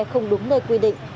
không đúng nơi quy định